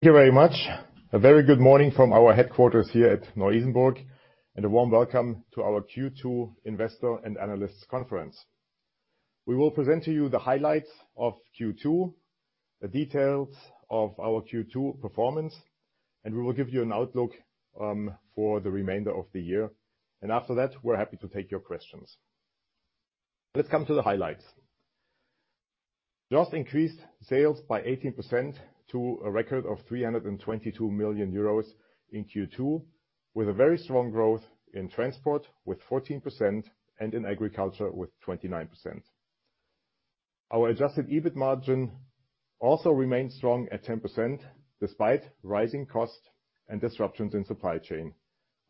Thank you very much. A very good morning from our headquarters here at Neu-Isenburg, and a warm welcome to our Q2 investor and analysts conference. We will present to you the highlights of Q2, the details of our Q2 performance, and we will give you an outlook for the remainder of the year. After that, we're happy to take your questions. Let's come to the highlights. JOST increased sales by 18% to a record of 322 million euros in Q2, with a very strong growth in transport with 14% and in agriculture with 29%. Our adjusted EBIT margin also remains strong at 10% despite rising costs and disruptions in supply chain,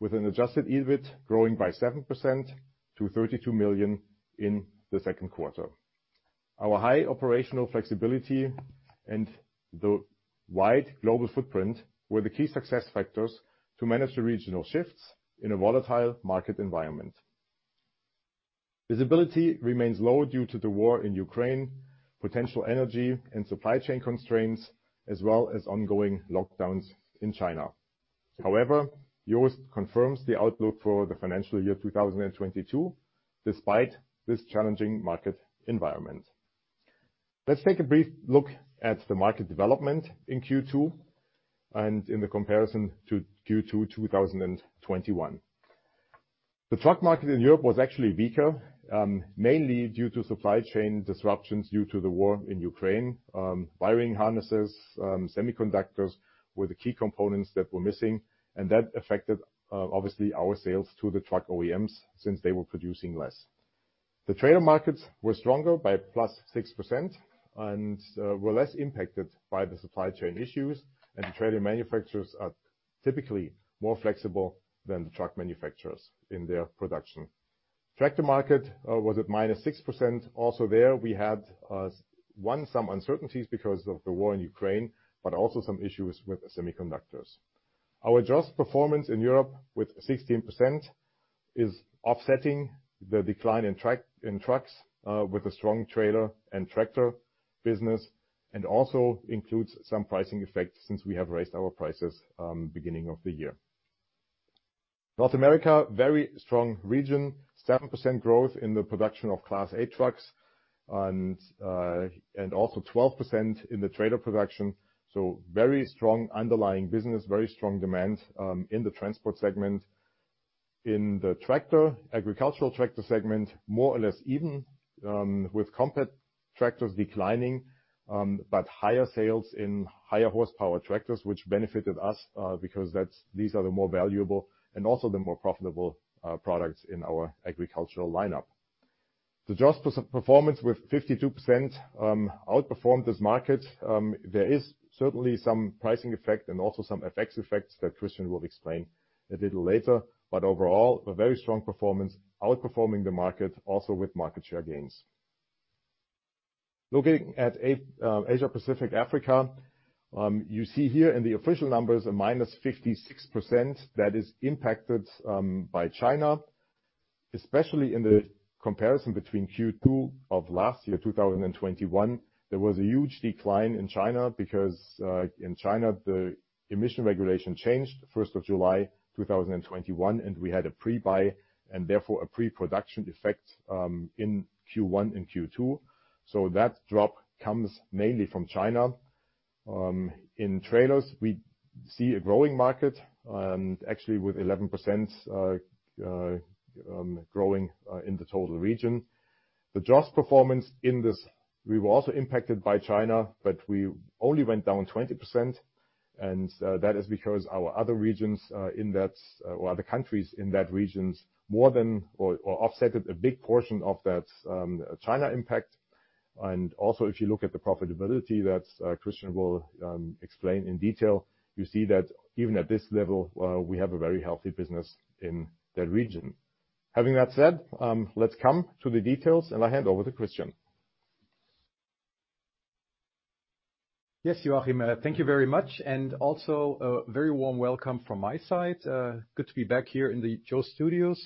with an adjusted EBIT growing by 7% to 32 million in the second quarter. Our high operational flexibility and the wide global footprint were the key success factors to manage the regional shifts in a volatile market environment. Visibility remains low due to the war in Ukraine, potential energy and supply chain constraints, as well as ongoing lockdowns in China. However, JOST confirms the outlook for the financial year 2022 despite this challenging market environment. Let's take a brief look at the market development in Q2 and in the comparison to Q2, 2021. The truck market in Europe was actually weaker, mainly due to supply chain disruptions due to the war in Ukraine. Wiring harnesses, semiconductors were the key components that were missing, and that affected, obviously, our sales to the truck OEMs since they were producing less. The trailer markets were stronger by +6% and were less impacted by the supply chain issues. The trailer manufacturers are typically more flexible than the truck manufacturers in their production. Tractor market was at -6%. Also there, we had some uncertainties because of the war in Ukraine, but also some issues with semiconductors. Our JOST performance in Europe with 16% is offsetting the decline in trucks with a strong trailer and tractor business, and also includes some pricing effects since we have raised our prices beginning of the year. North America, very strong region. 7% growth in the production of Class 8 trucks and also 12% in the trailer production. Very strong underlying business, very strong demand in the transport segment. In the tractor, agricultural tractor segment, more or less even, with compact tractors declining, but higher sales in higher horsepower tractors, which benefited us, because these are the more valuable and also the more profitable, products in our agricultural lineup. The JOST performance with 52%, outperformed this market. There is certainly some pricing effect and also some FX effects that Christian will explain a little later. Overall, a very strong performance, outperforming the market also with market share gains. Looking at APA, Asia-Pacific Africa, you see here in the official numbers a -56% that is impacted, by China. Especially in the comparison between Q2 of last year, 2021, there was a huge decline in China because in China, the emission regulation changed July 1, 2021, and we had a pre-buy, and therefore a pre-production effect in Q1 and Q2. That drop comes mainly from China. In trailers, we see a growing market actually with 11% growing in the total region. The JOST performance in this, we were also impacted by China, but we only went down 20%. That is because our other regions or other countries in that region more than offset a big portion of that China impact. Also, if you look at the profitability that Christian will explain in detail, you see that even at this level, we have a very healthy business in that region. Having that said, let's come to the details, and I hand over to Christian. Yes, Joachim. Thank you very much and also a very warm welcome from my side. Good to be back here in the JOST studios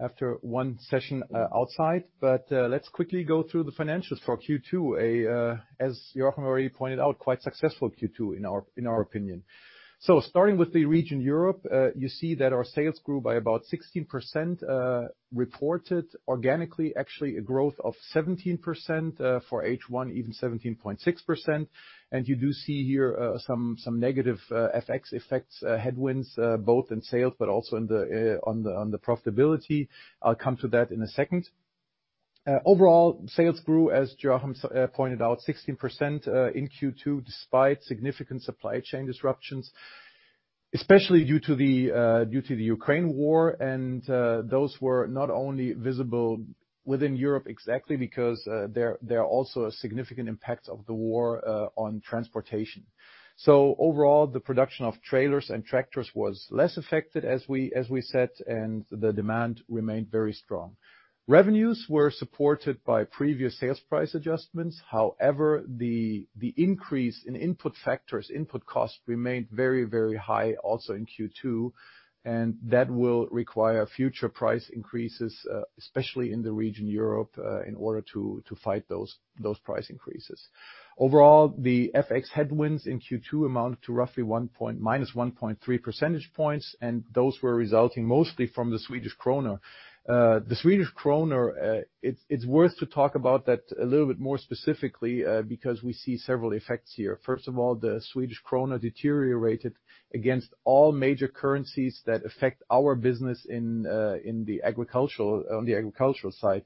after one session outside. Let's quickly go through the financials for Q2. As Joachim already pointed out, quite successful Q2 in our opinion. Starting with the region Europe, you see that our sales grew by about 16%, reported organically, actually a growth of 17%, for H1, even 17.6%. You do see here some negative FX effects, headwinds, both in sales but also on the profitability. I'll come to that in a second. Overall, sales grew, as Joachim pointed out, 16% in Q2, despite significant supply chain disruptions. Especially due to the Ukraine war. Those were not only visible within Europe exactly because there are also a significant impact of the war on transportation. Overall, the production of trailers and tractors was less affected as we said, and the demand remained very strong. Revenues were supported by previous sales price adjustments. However, the increase in input factors, input costs remained very high also in Q2, and that will require future price increases, especially in the region Europe, in order to fight those price increases. Overall, the FX headwinds in Q2 amounted to roughly minus 1.3 percentage points, and those were resulting mostly from the Swedish krona. The Swedish krona, it's worth to talk about that a little bit more specifically, because we see several effects here. First of all, the Swedish krona deteriorated against all major currencies that affect our business on the agricultural side.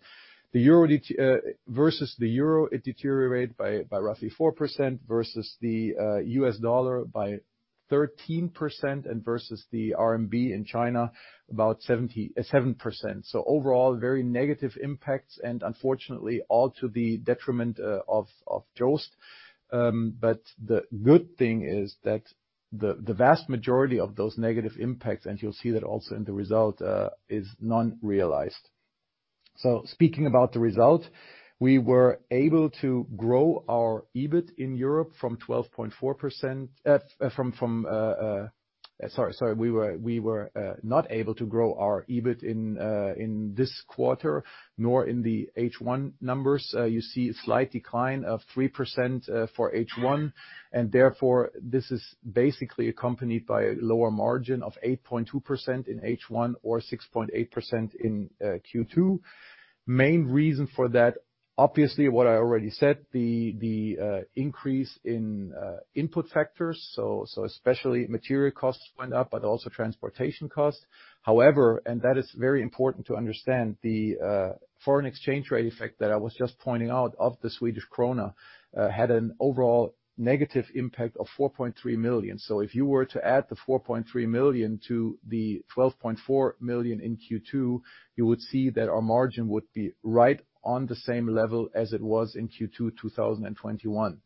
Versus the euro, it deteriorated by roughly 4%, versus the U.S. dollar by 13%, and versus the RMB in China, about 7%. Overall, very negative impacts and unfortunately all to the detriment of JOST. The good thing is that the vast majority of those negative impacts, and you'll see that also in the result, is non-realized. Speaking about the result, we were able to grow our EBIT in Europe from 12.4%. We were not able to grow our EBIT in this quarter nor in the H1 numbers. You see a slight decline of 3% for H1, and therefore, this is basically accompanied by a lower margin of 8.2% in H1 or 6.8% in Q2. Main reason for that, obviously, what I already said, the increase in input factors. Especially material costs went up, but also transportation costs. However, and that is very important to understand, the foreign exchange rate effect that I was just pointing out of the Swedish krona had an overall negative impact of 4.3 million. If you were to add the 4.3 million to the 12.4 million in Q2, you would see that our margin would be right on the same level as it was in Q2 2021.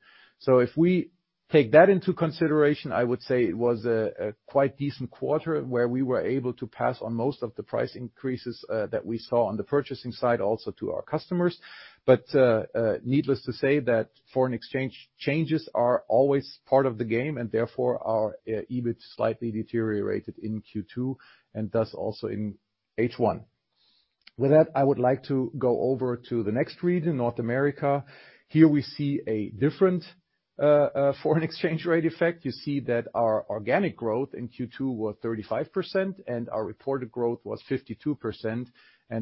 If we take that into consideration, I would say it was a quite decent quarter where we were able to pass on most of the price increases that we saw on the purchasing side also to our customers. Needless to say that foreign exchange changes are always part of the game, and therefore our EBIT slightly deteriorated in Q2, and thus also in H1. With that, I would like to go over to the next region, North America. Here we see a different foreign exchange rate effect. You see that our organic growth in Q2 was 35%, and our reported growth was 52%.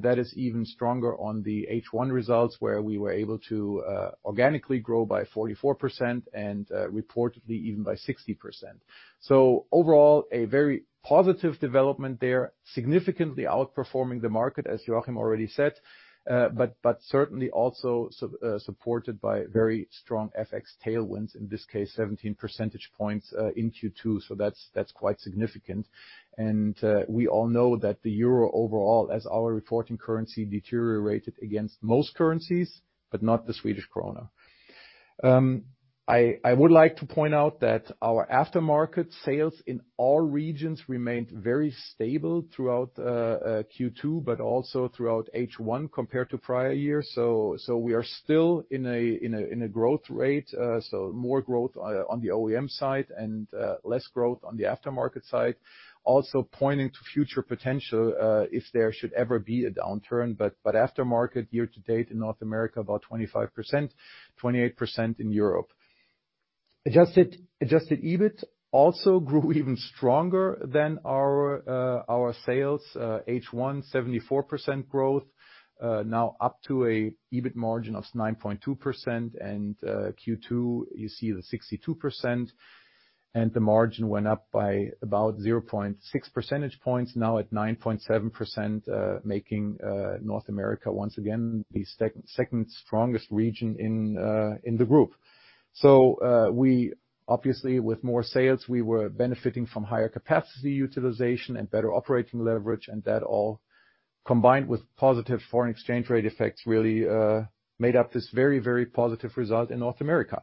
That is even stronger on the H1 results, where we were able to organically grow by 44% and reportedly even by 60%. Overall, a very positive development there, significantly outperforming the market, as Joachim already said. Certainly also supported by very strong FX tailwinds, in this case 17 percentage points, in Q2. That's quite significant. We all know that the euro overall, as our reporting currency, deteriorated against most currencies, but not the Swedish krona. I would like to point out that our aftermarket sales in all regions remained very stable throughout Q2, but also throughout H1 compared to prior years. We are still in a growth rate, more growth on the OEM side and less growth on the aftermarket side. Also pointing to future potential, if there should ever be a downturn. Aftermarket year to date in North America, about 25%, 28% in Europe. Adjusted EBIT also grew even stronger than our sales, H1 74% growth. Now up to an EBIT margin of 9.2%. Q2, you see the 62%, and the margin went up by about 0.6 percentage points, now at 9.7%, making North America once again the second strongest region in the group. We obviously with more sales, we were benefiting from higher capacity utilization and better operating leverage, and that all combined with positive foreign exchange rate effects really made up this very, very positive result in North America.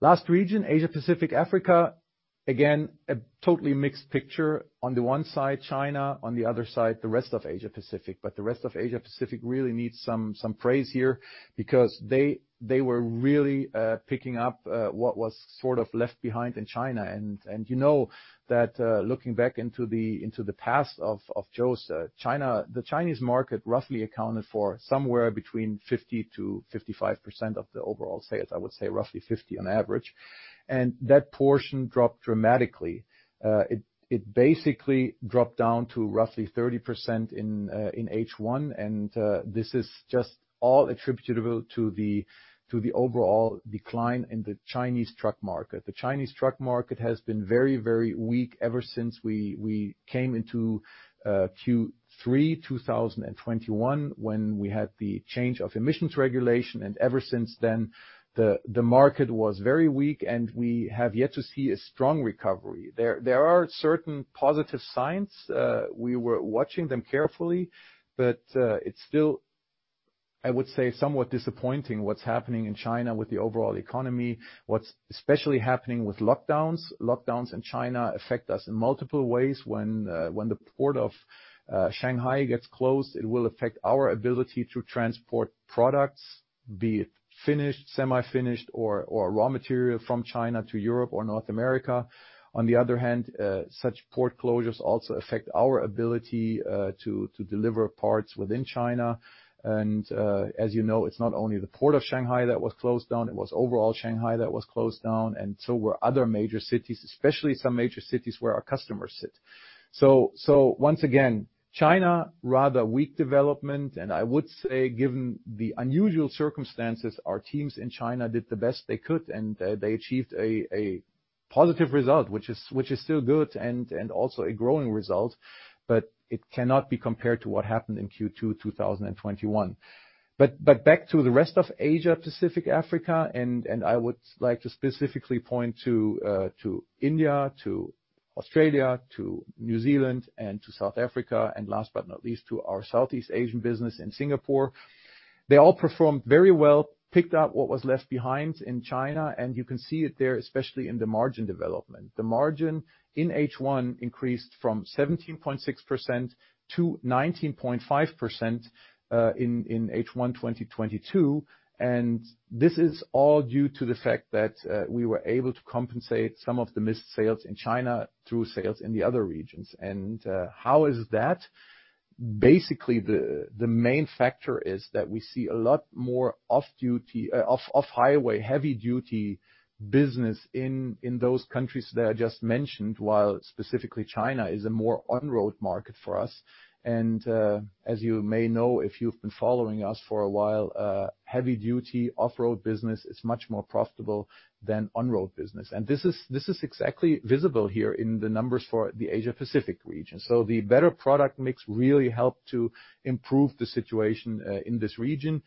Last region, Asia-Pacific-Africa, again, a totally mixed picture. On the one side, China, on the other side, the rest of Asia-Pacific. The rest of Asia-Pacific really needs some praise here because they were really picking up what was sort of left behind in China. You know that, looking back into the past of JOST, China, the Chinese market roughly accounted for somewhere between 50%-55% of the overall sales. I would say roughly 50% on average. That portion dropped dramatically. It basically dropped down to roughly 30% in H1, and this is just all attributable to the overall decline in the Chinese truck market. The Chinese truck market has been very, very weak ever since we came into Q3 2021 when we had the change of emissions regulation, and ever since then the market was very weak, and we have yet to see a strong recovery. There are certain positive signs. We were watching them carefully, but it's still, I would say, somewhat disappointing what's happening in China with the overall economy, what's especially happening with lockdowns. Lockdowns in China affect us in multiple ways. When the port of Shanghai gets closed, it will affect our ability to transport products, be it finished, semi-finished, or raw material from China to Europe or North America. On the other hand, such port closures also affect our ability to deliver parts within China. As you know, it's not only the port of Shanghai that was closed down, it was overall Shanghai that was closed down, and so were other major cities, especially some major cities where our customers sit. Once again, China, rather weak development. I would say, given the unusual circumstances, our teams in China did the best they could, and they achieved a positive result, which is still good and also a growing result. It cannot be compared to what happened in Q2, 2021. Back to the rest of Asia, Pacific, Africa, and I would like to specifically point to India, to Australia, to New Zealand, and to South Africa, and last but not least, to our Southeast Asian business in Singapore. They all performed very well, picked up what was left behind in China, and you can see it there, especially in the margin development. The margin in H1 increased from 17.6% to 19.5% in H1 2022, and this is all due to the fact that we were able to compensate some of the missed sales in China through sales in the other regions. How is that? Basically, the main factor is that we see a lot more off-highway heavy duty business in those countries that I just mentioned, while specifically China is a more on-road market for us. As you may know, if you've been following us for a while, heavy duty off-highway business is much more profitable than on-road business. This is exactly visible here in the numbers for the Asia Pacific region. The better product mix really helped to improve the situation in this region.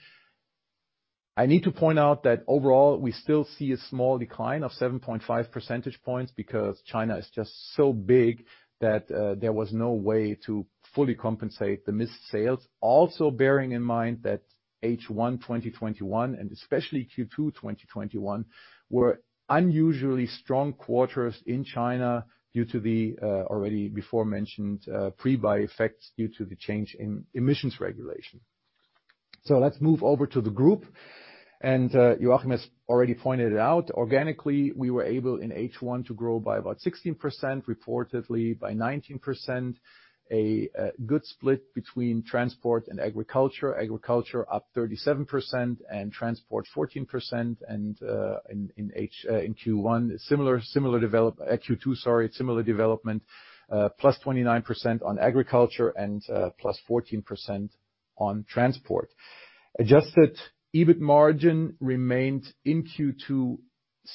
I need to point out that overall, we still see a small decline of 7.5 percentage points because China is just so big that there was no way to fully compensate the missed sales. Bearing in mind that H1 2021, and especially Q2 2021, were unusually strong quarters in China due to the already before mentioned pre-buy effects due to the change in emissions regulation. Let's move over to the group. Joachim has already pointed it out. Organically, we were able in H1 to grow by about 16%, reportedly by 19%. Good split between transport and agriculture. Agriculture up 37% and transport 14%. In Q2, sorry, similar development, +29% on agriculture and +14% on transport. Adjusted EBIT margin remained in Q2,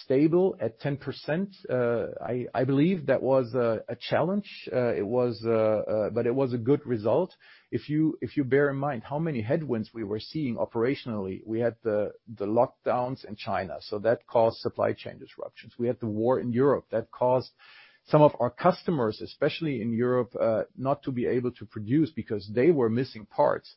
stable at 10%. I believe that was a challenge. It was, but it was a good result. If you bear in mind how many headwinds we were seeing operationally. We had the lockdowns in China, so that caused supply chain disruptions. We had the war in Europe. That caused some of our customers, especially in Europe, not to be able to produce because they were missing parts.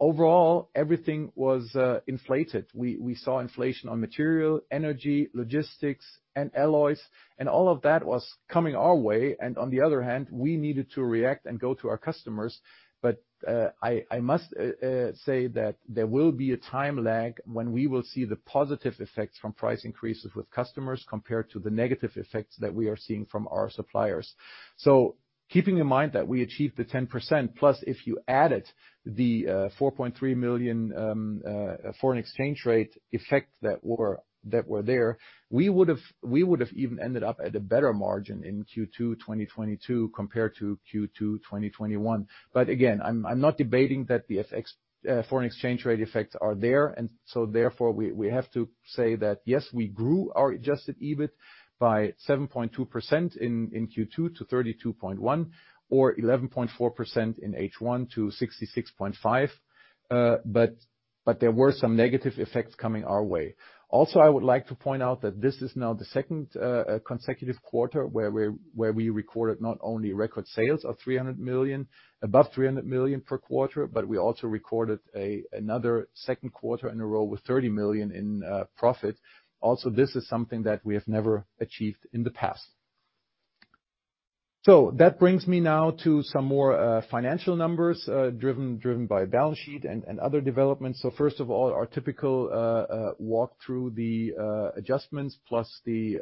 Overall, everything was inflated. We saw inflation on material, energy, logistics, and alloys, and all of that was coming our way. On the other hand, we needed to react and go to our customers. I must say that there will be a time lag when we will see the positive effects from price increases with customers compared to the negative effects that we are seeing from our suppliers. Keeping in mind that we achieved the 10%, plus if you added the 4.3 million foreign exchange rate effect that were there, we would have even ended up at a better margin in Q2 2022 compared to Q2 2021. Again, I'm not debating that the FX foreign exchange rate effects are there. Therefore, we have to say that, yes, we grew our adjusted EBIT by 7.2% in Q2 to 32.1 or 11.4% in H1 to 66.5. There were some negative effects coming our way. I would like to point out that this is now the second consecutive quarter where we recorded not only record sales of 300 million, above 300 million per quarter, but we also recorded another second quarter in a row with 30 million in profit. This is something that we have never achieved in the past. That brings me now to some more financial numbers driven by balance sheet and other developments. First of all, our typical walk through the adjustments plus the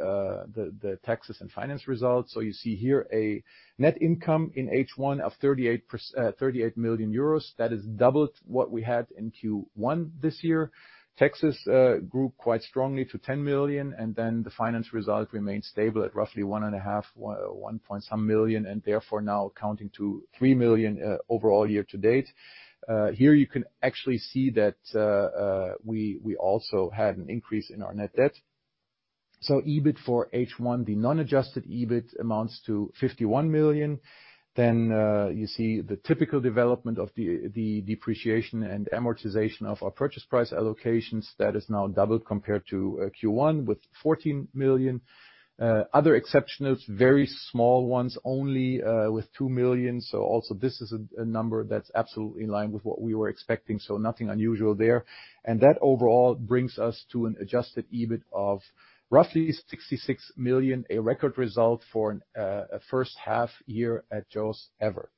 taxes and finance results. You see here a net income in H1 of 38 million euros. That is double what we had in Q1 this year. Taxes grew quite strongly to 10 million, and then the finance result remained stable at roughly 1.5, one point some million, and therefore now amounting to 3 million overall year to date. Here you can actually see that we also had an increase in our net debt. EBIT for H1, the non-adjusted EBIT amounts to 51 million. Then you see the typical development of the depreciation and amortization of our purchase price allocations. That is now double compared to Q1 with 14 million. Other exceptionals, very small ones, only with 2 million. Also this is a number that's absolutely in line with what we were expecting, nothing unusual there. That overall brings us to an adjusted EBIT of roughly 66 million, a record result for a first half year at JOST ever.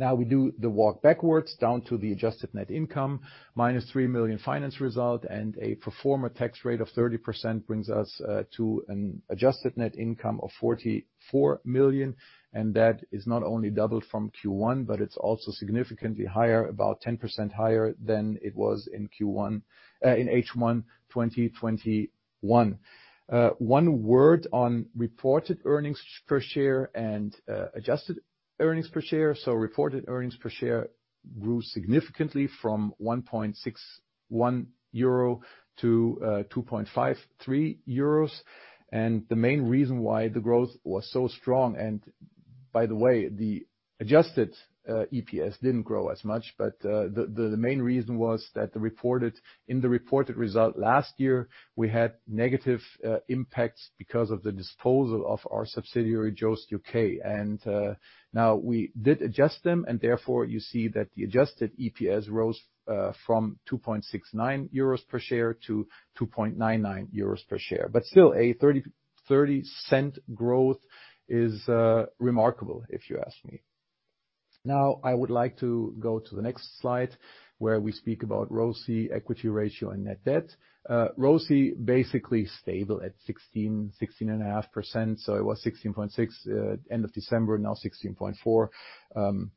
Now we do the walk backwards down to the adjusted net income minus 3 million finance result, and a pro forma tax rate of 30% brings us to an adjusted net income of 44 million. That is not only doubled from Q1, but it's also significantly higher, about 10% higher than it was in Q1 in H1 2021. One word on reported earnings per share and adjusted earnings per share. Reported earnings per share grew significantly from 1.61 euro to 2.53 euros. The main reason why the growth was so strong and by the way, the adjusted EPS didn't grow as much, but the main reason was that the reported result last year, we had negative impacts because of the disposal of our subsidiary, JOST GB Ltd. Now we did adjust them, and therefore you see that the adjusted EPS rose from 2.69 euros per share to 2.99 euros per share. Still a 0.30 Growth is remarkable if you ask me. Now I would like to go to the next slide, where we speak about ROCE, equity ratio, and net debt. ROCE basically stable at 16%-16.5%. It was 16.6% end of December, now 16.4%.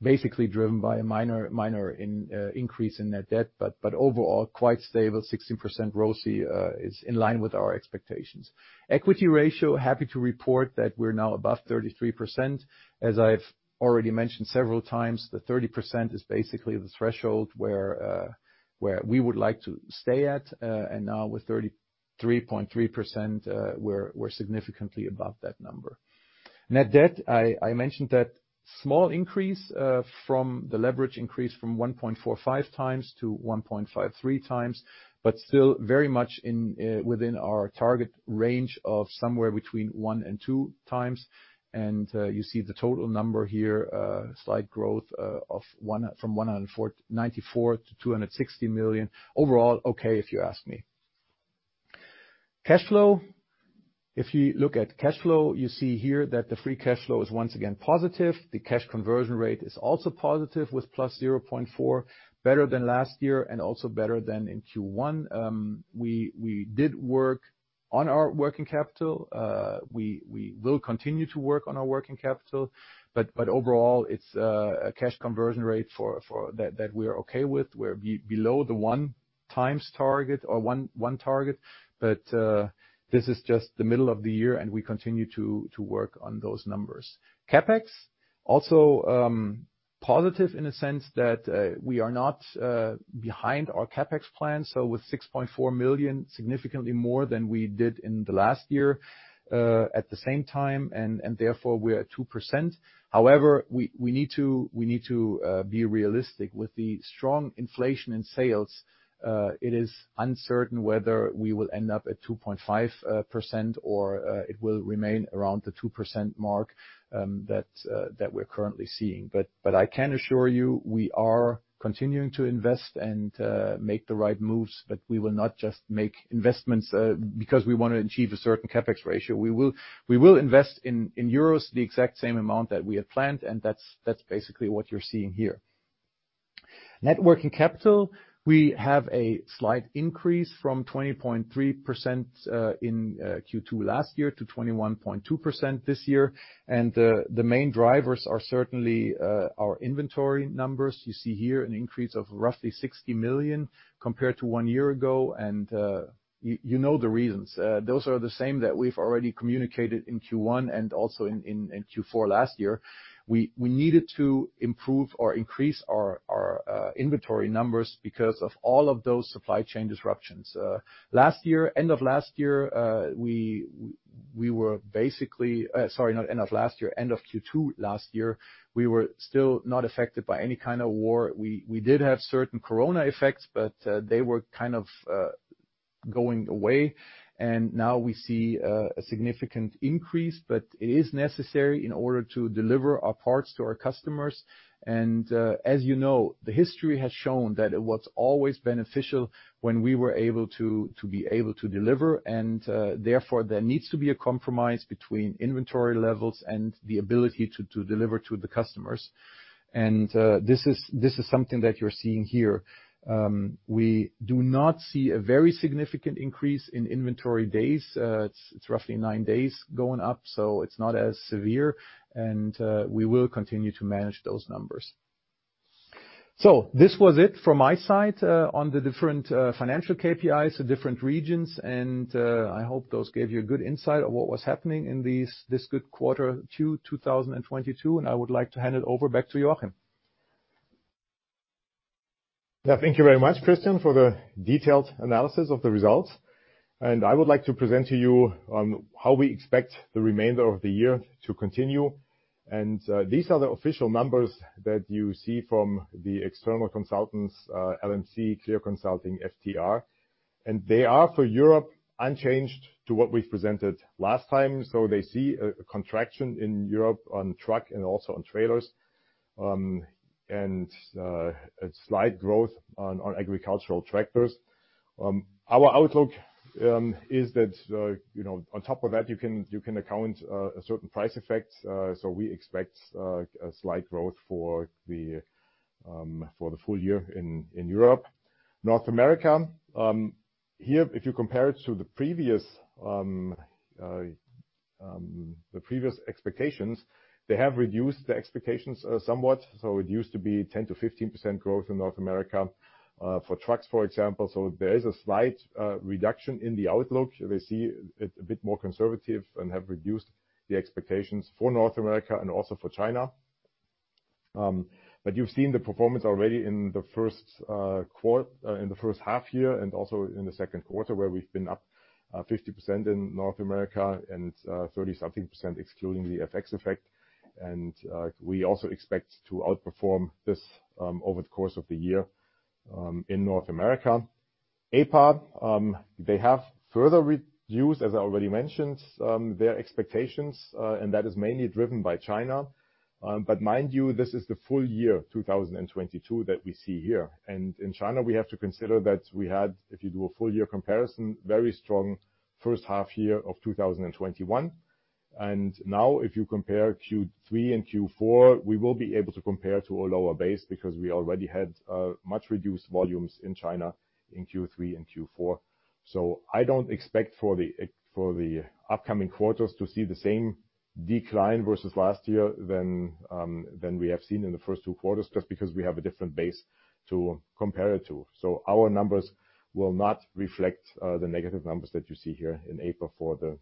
Basically driven by a minor in increase in net debt, but overall quite stable. 16% ROCE is in line with our expectations. Equity ratio, happy to report that we're now above 33%. As I've already mentioned several times, the 30% is basically the threshold where we would like to stay at. And now with 33.3%, we're significantly above that number. Net debt, I mentioned that small increase from the leverage increase from 1.45x to 1.53x, but still very much within our target range of somewhere between 1x and 2x. You see the total number here, slight growth from 194 million to 260 million. Overall, okay if you ask me. Cash flow. If you look at cash flow, you see here that the free cash flow is once again positive. The cash conversion rate is also positive with +0.4, better than last year and also better than in Q1. We did work on our working capital. We will continue to work on our working capital. Overall it's a cash conversion rate that we are okay with. We're below the one times target or one target, but this is just the middle of the year, and we continue to work on those numbers. CapEx, also, positive in a sense that we are not behind our CapEx plan. With 6.4 million, significantly more than we did in the last year, at the same time, and therefore we are at 2%. However, we need to be realistic. With the strong inflation in sales, it is uncertain whether we will end up at 2.5% or it will remain around the 2% mark that we're currently seeing. But I can assure you, we are continuing to invest and make the right moves, but we will not just make investments because we wanna achieve a certain CapEx ratio. We will invest in euros the exact same amount that we had planned, and that's basically what you're seeing here. Net Working Capital, we have a slight increase from 20.3% in Q2 last year to 21.2% this year. The main drivers are certainly our inventory numbers. You see here an increase of roughly 60 million compared to one year ago. You know the reasons. Those are the same that we've already communicated in Q1 and also in Q4 last year. We needed to improve or increase our inventory numbers because of all of those supply chain disruptions. Last year, end of Q2 last year, we were still not affected by any kind of war. We did have certain Corona effects, but they were kind of going away, and now we see a significant increase. It is necessary in order to deliver our parts to our customers. As you know, the history has shown that it was always beneficial when we were able to deliver. Therefore, there needs to be a compromise between inventory levels and the ability to deliver to the customers. This is something that you're seeing here. We do not see a very significant increase in inventory days. It's roughly nine days going up, so it's not as severe, and we will continue to manage those numbers. This was it from my side on the different financial KPIs, the different regions, and I hope those gave you a good insight on what was happening in this good quarter two, 2022. I would like to hand it over back to Joachim. Yeah. Thank you very much, Christian, for the detailed analysis of the results. I would like to present to you on how we expect the remainder of the year to continue. These are the official numbers that you see from the external consultants, LMC, CLEAR Consulting, FTR. They are for Europe unchanged to what we presented last time. They see a contraction in Europe on truck and also on trailers. A slight growth on agricultural tractors. Our outlook is that you know, on top of that, you can account a certain price effect. We expect a slight growth for the full year in Europe. North America, here, if you compare it to the previous expectations, they have reduced the expectations somewhat. It used to be 10%-15% growth in North America for trucks, for example. There is a slight reduction in the outlook. They see it a bit more conservative and have reduced the expectations for North America and also for China. You've seen the performance already in the first half year and also in the second quarter, where we've been up 50% in North America and 30-something percent excluding the FX effect. We also expect to outperform this over the course of the year in North America. APAC, they have further reduced, as I already mentioned, their expectations, and that is mainly driven by China. Mind you, this is the full year 2022 that we see here. In China, we have to consider that we had, if you do a full year comparison, very strong first half year of 2021. Now if you compare Q3 and Q4, we will be able to compare to a lower base because we already had much reduced volumes in China in Q3 and Q4. I don't expect for the upcoming quarters to see the same decline versus last year than we have seen in the first two quarters, just because we have a different base to compare it to. Our numbers will not reflect the negative numbers that you see here in April for the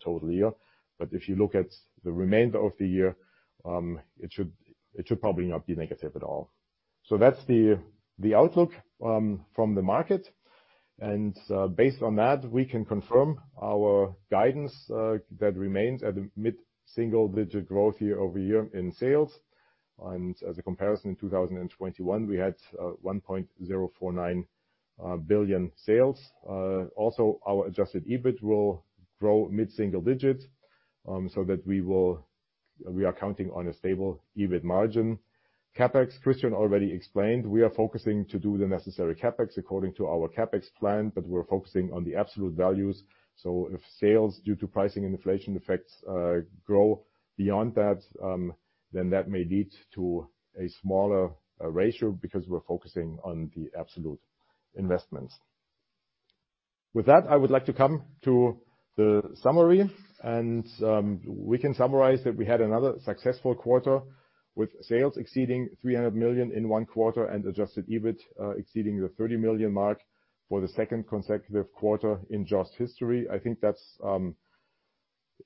total year. If you look at the remainder of the year, it should probably not be negative at all. That's the outlook from the market. Based on that, we can confirm our guidance that remains at a mid-single-digit growth year-over-year in sales. As a comparison, in 2021, we had 1.049 billion sales. Also our adjusted EBIT will grow mid-single digits, so that we are counting on a stable EBIT margin. CapEx, Christian already explained, we are focusing to do the necessary CapEx according to our CapEx plan, but we're focusing on the absolute values. If sales due to pricing and inflation effects grow beyond that, then that may lead to a smaller ratio because we're focusing on the absolute investments. With that, I would like to come to the summary. We can summarize that we had another successful quarter with sales exceeding 300 million in one quarter and adjusted EBIT exceeding the 30 million mark for the second consecutive quarter in JOST history. I think that's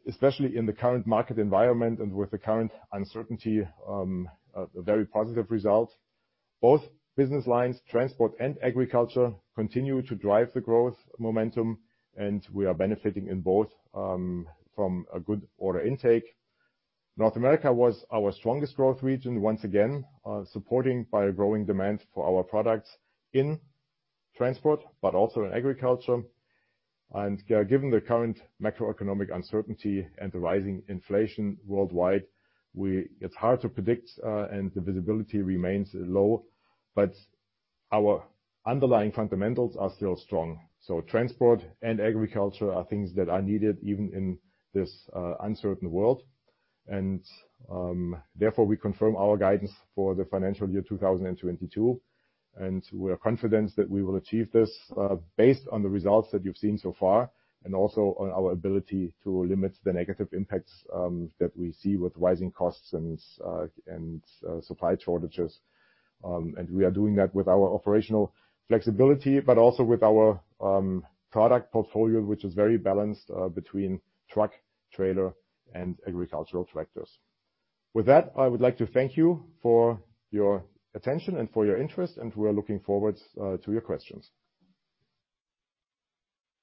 especially in the current market environment and with the current uncertainty a very positive result. Both business lines, transport and agriculture, continue to drive the growth momentum, and we are benefiting in both from a good order intake. North America was our strongest growth region once again, supported by growing demand for our products in transport, but also in agriculture. Given the current macroeconomic uncertainty and the rising inflation worldwide, it's hard to predict, and the visibility remains low, but our underlying fundamentals are still strong. Transport and agriculture are things that are needed even in this uncertain world. Therefore, we confirm our guidance for the financial year 2022, and we're confident that we will achieve this based on the results that you've seen so far and also on our ability to limit the negative impacts that we see with rising costs and supply shortages. We are doing that with our operational flexibility, but also with our product portfolio, which is very balanced between truck, trailer, and agricultural tractors. With that, I would like to thank you for your attention and for your interest, and we are looking forward to your questions.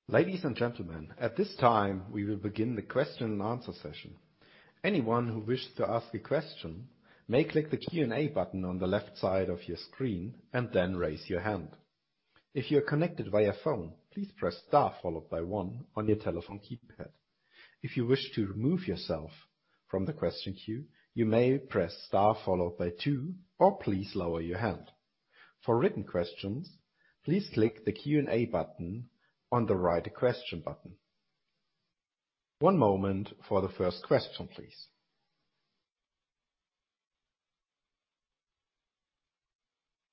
Ladies and gentlemen, at this time, we will begin the question-and-answer session. Anyone who wishes to ask a question may click the Q&A button on the left side of your screen and then raise your hand. If you're connected via phone, please press star followed by one on your telephone keypad. If you wish to remove yourself from the question queue, you may press star followed by two or please lower your hand. For written questions, please click the Q&A button on the Write a Question button. One moment for the first question, please.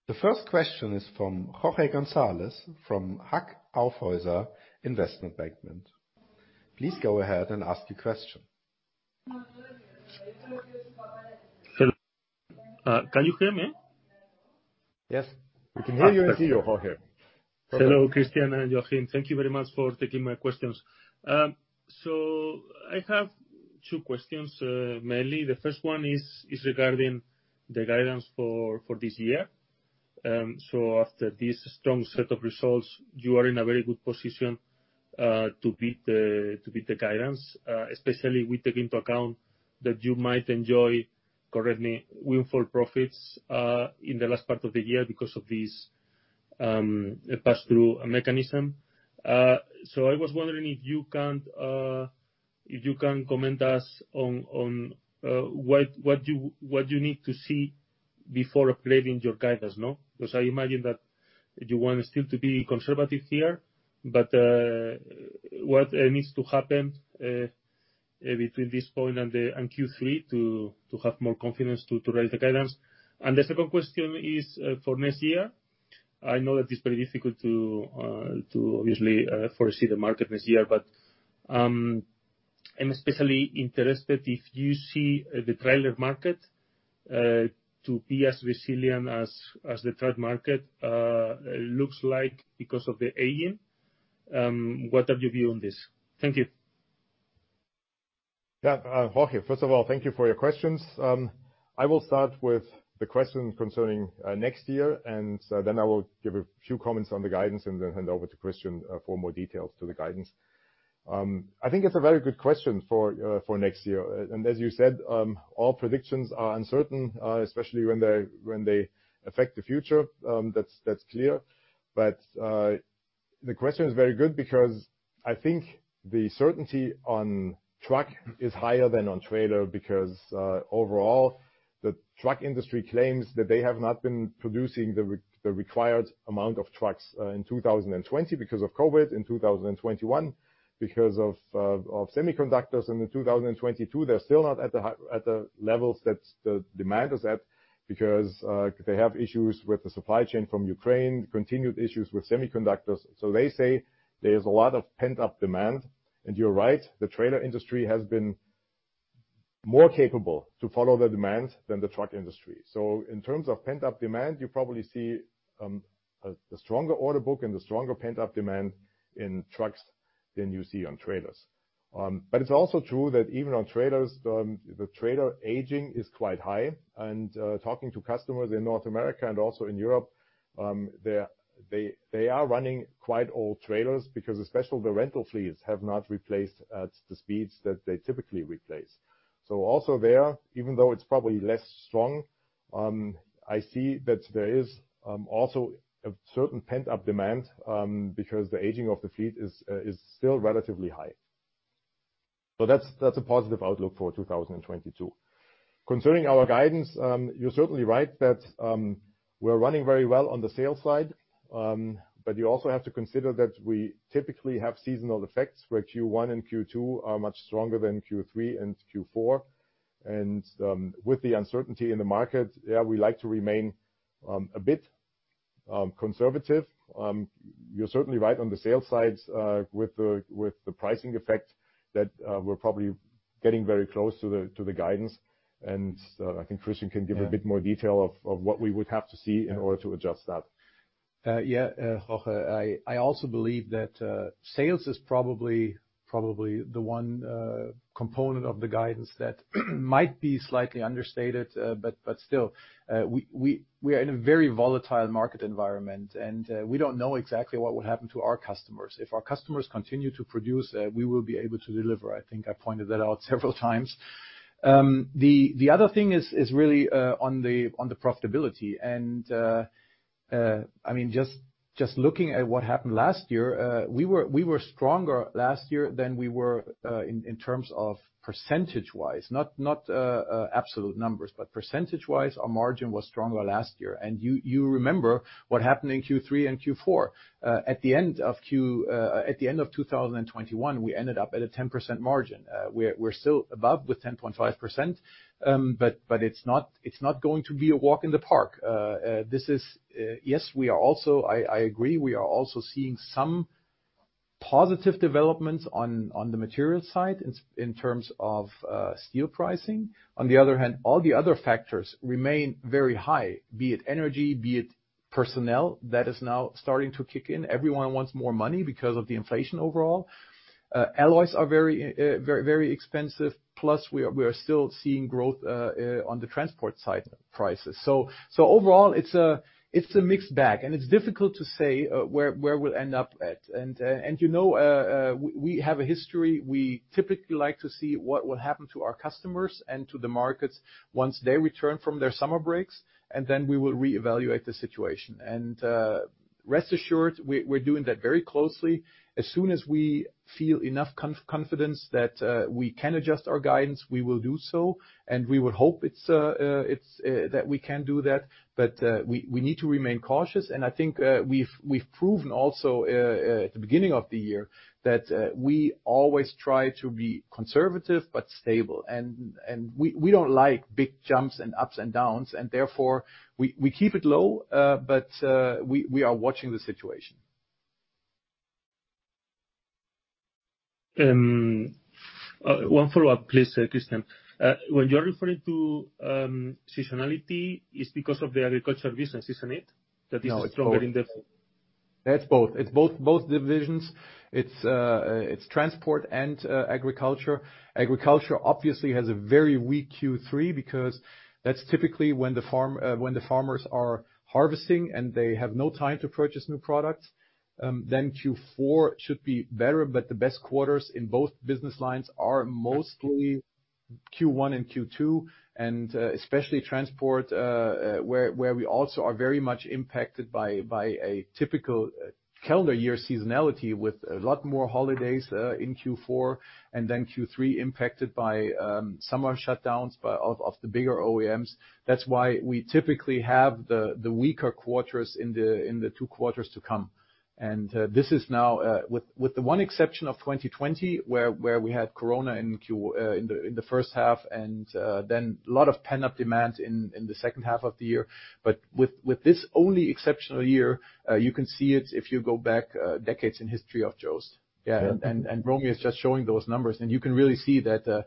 The first question is from Jorge Gonzalez from Hauck & Aufhäuser Investment Banking. Please go ahead and ask your question. Hello. Can you hear me? Yes. We can hear you and see you, Jorge. Hello, Christian and Joachim. Thank you very much for taking my questions. I have two questions, mainly. The first one is regarding the guidance for this year. After this strong set of results, you are in a very good position to beat the guidance, especially with taking into account that you might enjoy currently windfall profits in the last part of the year because of this pass through mechanism. I was wondering if you can comment to us on what you need to see. Before updating your guidance, no? Because I imagine that you want still to be conservative here. What needs to happen between this point and Q3 to have more confidence to raise the guidance. The second question is for next year. I know that it's very difficult to obviously foresee the market next year, but I'm especially interested if you see the trailer market to be as resilient as the truck market looks like because of the AM. What are your view on this? Thank you. Yeah, Jorge, first of all, thank you for your questions. I will start with the question concerning next year, and so then I will give a few comments on the guidance and then hand over to Christian for more details to the guidance. I think it's a very good question for next year. And as you said, all predictions are uncertain, especially when they affect the future. That's clear. The question is very good because I think the certainty on truck is higher than on trailer because overall, the truck industry claims that they have not been producing the required amount of trucks in 2020 because of COVID, in 2021 because of semiconductors, and in 2022, they're still not at the levels that the demand is at because they have issues with the supply chain from Ukraine, continued issues with semiconductors. They say there's a lot of pent-up demand. You're right, the trailer industry has been more capable to follow the demand than the truck industry. In terms of pent-up demand, you probably see a stronger order book and a stronger pent-up demand in trucks than you see on trailers. It's also true that even on trailers, the trailer aging is quite high. Talking to customers in North America and also in Europe, they are running quite old trailers because especially the rental fleets have not replaced at the speeds that they typically replace. Also there, even though it's probably less strong, I see that there is also a certain pent-up demand because the aging of the fleet is still relatively high. That's a positive outlook for 2022. Concerning our guidance, you're certainly right that we're running very well on the sales side. You also have to consider that we typically have seasonal effects, where Q1 and Q2 are much stronger than Q3 and Q4. With the uncertainty in the market, yeah, we like to remain a bit conservative. You're certainly right on the sales side with the pricing effect that we're probably getting very close to the guidance. I think Christian can give a bit more detail of what we would have to see in order to adjust that. Jorge, I also believe that sales is probably the one component of the guidance that might be slightly understated. Still, we are in a very volatile market environment and we don't know exactly what would happen to our customers. If our customers continue to produce, we will be able to deliver. I think I pointed that out several times. The other thing is really on the profitability. I mean, just looking at what happened last year, we were stronger last year than we were in terms of percentage-wise. Not absolute numbers, but percentage-wise, our margin was stronger last year. You remember what happened in Q3 and Q4. At the end of 2021, we ended up at a 10% margin. We're still above with 10.5%, but it's not going to be a walk in the park. This is yes, we are also. I agree, we are also seeing some positive developments on the material side in terms of steel pricing. On the other hand, all the other factors remain very high, be it energy, be it personnel that is now starting to kick in. Everyone wants more money because of the inflation overall. Alloys are very expensive. Plus, we are still seeing growth on the transport side prices. Overall, it's a mixed bag, and it's difficult to say where we'll end up at. You know, we have a history. We typically like to see what will happen to our customers and to the markets once they return from their summer breaks, and then we will reevaluate the situation. Rest assured we're doing that very closely. As soon as we feel enough confidence that we can adjust our guidance, we will do so, and we would hope it's that we can do that. We need to remain cautious, and I think we've proven also at the beginning of the year that we always try to be conservative but stable. We don't like big jumps and ups and downs, and therefore we keep it low. We are watching the situation. One follow-up, please, Christian. When you're referring to seasonality, it's because of the agriculture business, isn't it? No, it's both. Stronger in the fall. It's both divisions. It's transport and agriculture. Agriculture obviously has a very weak Q3 because that's typically when the farmers are harvesting and they have no time to purchase new products. Then Q4 should be better, but the best quarters in both business lines are mostly Q1 and Q2, and especially transport, where we also are very much impacted by a typical calendar year seasonality with a lot more holidays in Q4 and then Q3 impacted by summer shutdowns of the bigger OEMs. That's why we typically have the weaker quarters in the two quarters to come. This is now with the one exception of 2020, where we had Corona in the first half and then a lot of pent-up demand in the second half of the year. But with this only exceptional year, you can see it if you go back decades in history of JOST. Romy is just showing those numbers, and you can really see that,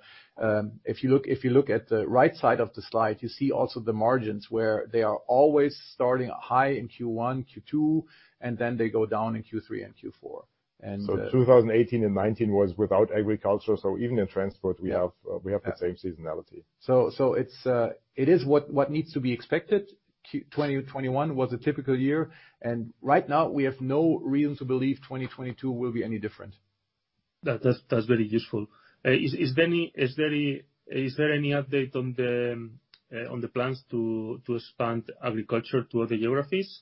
if you look at the right side of the slide, you see also the margins where they are always starting high in Q1, Q2, and then they go down in Q3 and Q4. 2018 and 2019 was without agriculture. Even in transport, we have the same seasonality. It's what needs to be expected. 2021 was a typical year, and right now we have no reason to believe 2022 will be any different. That's very useful. Is there any update on the plans to expand agriculture to other geographies?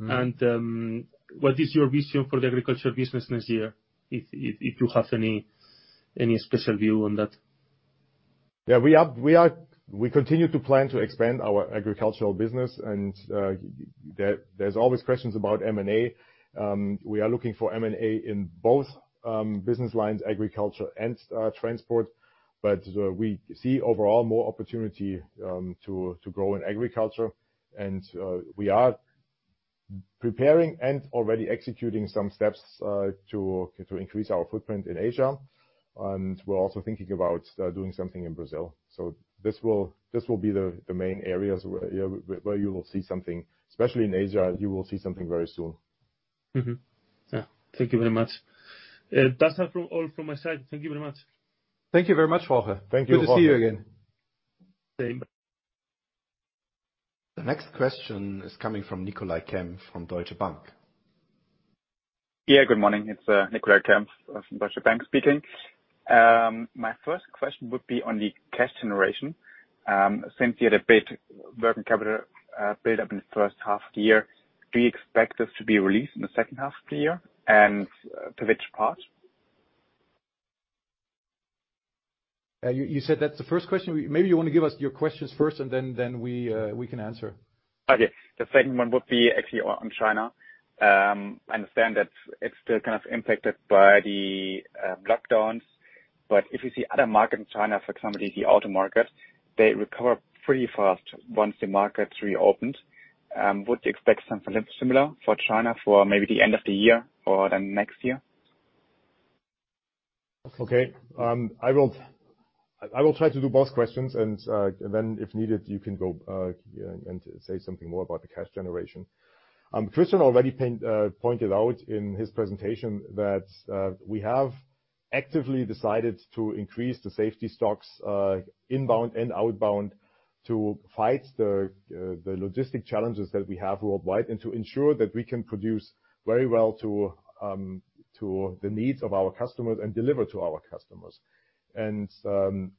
Mm. What is your vision for the agriculture business next year, if you have any special view on that? Yeah. We continue to plan to expand our agricultural business and there's always questions about M&A. We are looking for M&A in both business lines, agriculture and transport, but we see overall more opportunity to grow in agriculture. We are preparing and already executing some steps to increase our footprint in Asia. We're also thinking about doing something in Brazil. This will be the main areas where you will see something, especially in Asia, you will see something very soon. Yeah. Thank you very much. That's all from my side. Thank you very much. Thank you very much, Jorge. Thank you, Jorge. Good to see you again. Same. The next question is coming from Nicolai Kempf from Deutsche Bank. Good morning. It's Nicolai Kempf from Deutsche Bank speaking. My first question would be on the cash generation. Since you had a bit working capital build-up in the first half of the year, do you expect this to be released in the second half of the year and to which part? You said that's the first question. Maybe you wanna give us your questions first, and then we can answer. Okay. The second one would be actually on China. I understand that it's still kind of impacted by the lockdowns, but if you see other markets in China, for example, the auto market, they recover pretty fast once the market's reopened. Would you expect something similar for China for maybe the end of the year or then next year? Okay. I will try to do both questions and then if needed, you can go and say something more about the cash generation. Christian already pointed out in his presentation that we have actively decided to increase the safety stocks inbound and outbound to fight the logistics challenges that we have worldwide and to ensure that we can produce very well to the needs of our customers and deliver to our customers.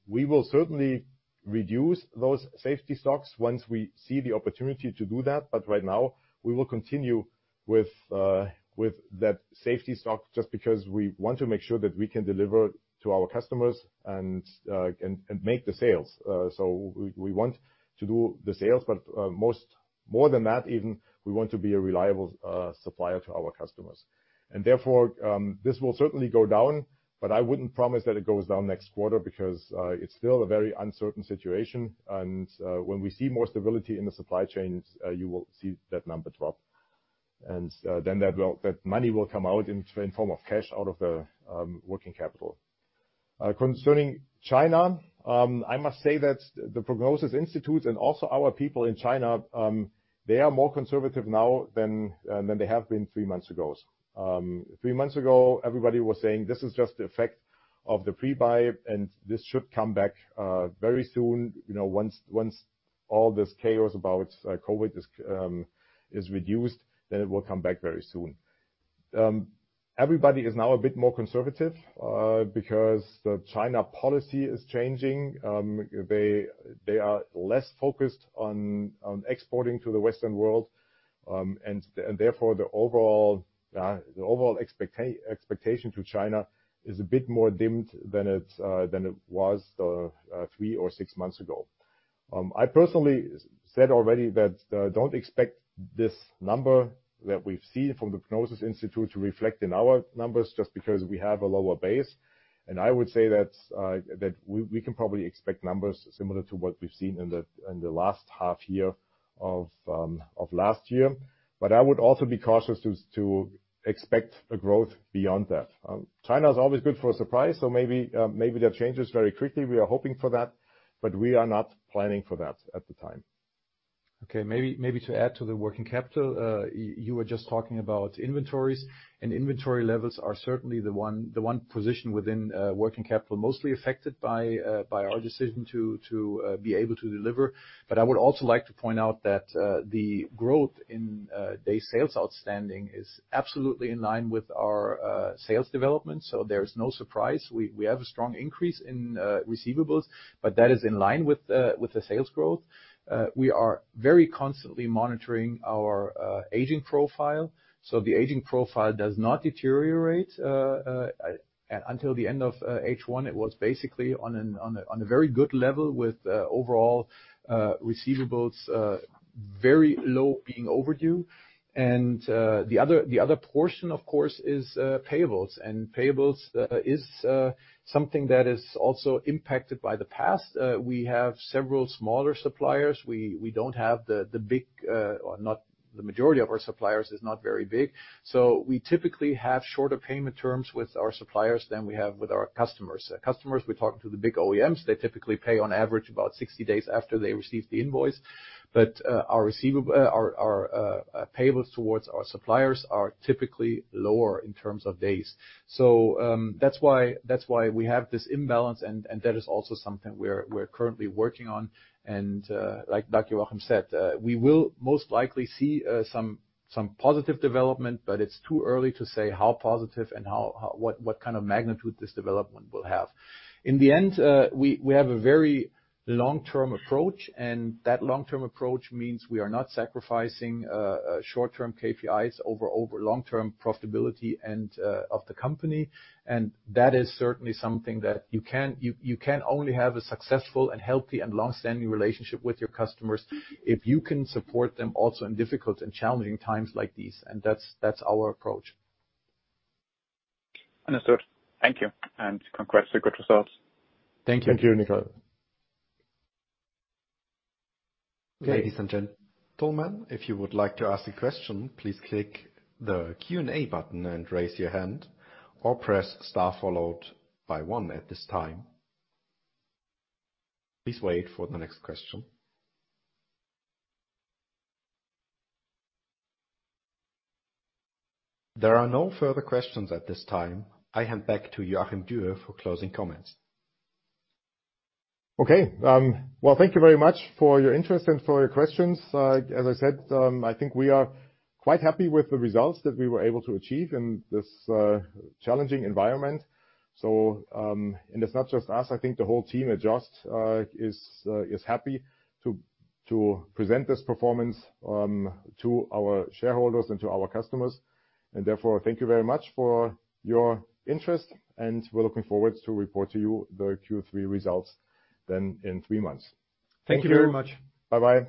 We will certainly reduce those safety stocks once we see the opportunity to do that. Right now we will continue with that safety stock just because we want to make sure that we can deliver to our customers and make the sales. We want to do the sales, but more than that even, we want to be a reliable supplier to our customers. Therefore, this will certainly go down, but I wouldn't promise that it goes down next quarter because it's still a very uncertain situation. When we see more stability in the supply chains, you will see that number drop. Then that money will come out in form of cash out of the working capital. Concerning China, I must say that the Prognosis Institute and also our people in China, they are more conservative now than they have been three months ago. Three months ago, everybody was saying, "This is just the effect of the pre-buy, and this should come back very soon. You know, once all this chaos about COVID is reduced, then it will come back very soon. Everybody is now a bit more conservative because the China policy is changing. They are less focused on exporting to the Western world. And therefore, the overall expectation to China is a bit more dimmed than it was three or six months ago. I personally said already that don't expect this number that we've seen from the Prognosis Institute to reflect in our numbers just because we have a lower base. I would say that we can probably expect numbers similar to what we've seen in the last half year of last year. I would also be cautious to expect a growth beyond that. China is always good for a surprise, so maybe that changes very quickly. We are hoping for that, but we are not planning for that at the time. Okay. Maybe to add to the working capital, you were just talking about inventories. Inventory levels are certainly the one position within working capital mostly affected by our decision to be able to deliver. I would also like to point out that the growth in Days Sales Outstanding is absolutely in line with our sales development. There is no surprise. We have a strong increase in receivables, but that is in line with the sales growth. We are very constantly monitoring our Aging Profile. The Aging Profile does not deteriorate. Until the end of H1, it was basically on a very good level with overall receivables very low being overdue. The other portion, of course, is payables. Payables is something that is also impacted by the past. We have several smaller suppliers. We don't have the big. The majority of our suppliers is not very big. We typically have shorter payment terms with our suppliers than we have with our customers. Customers, we're talking to the big OEMs. They typically pay on average about 60 days after they receive the invoice. Our payables towards our suppliers are typically lower in terms of days. That's why we have this imbalance, and that is also something we're currently working on. Like Joachim said, we will most likely see some positive development, but it's too early to say how positive and how what kind of magnitude this development will have. In the end, we have a very long-term approach, and that long-term approach means we are not sacrificing short-term KPIs over long-term profitability and of the company. That is certainly something that you can only have a successful and healthy and long-standing relationship with your customers if you can support them also in difficult and challenging times like these, and that's our approach. Understood. Thank you. Congrats to good results. Thank you. Thank you, Nicolai. Ladies and gentlemen, if you would like to ask a question, please click the Q&A button and raise your hand or press star followed by one at this time. Please wait for the next question. There are no further questions at this time. I hand back to Joachim Dürr for closing comments. Okay. Well, thank you very much for your interest and for your questions. As I said, I think we are quite happy with the results that we were able to achieve in this challenging environment. It's not just us, I think the whole team at JOST is happy to present this performance to our shareholders and to our customers. Therefore, thank you very much for your interest, and we're looking forward to report to you the Q3 results then in three months. Thank you very much. Bye-bye.